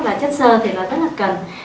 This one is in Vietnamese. là chất xơ thì nó rất là cần